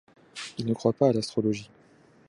Il ne croit pas à l’astrologie!